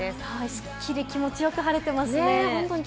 すっきり気持ちよく晴れてますよね。